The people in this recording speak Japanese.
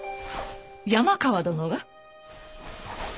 山川殿が？